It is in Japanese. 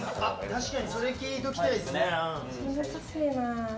確かにそれを聞いておきたいですね。